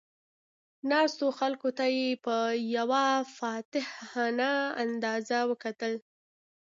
ناستو خلکو ته یې په یو فاتحانه انداز وکتل.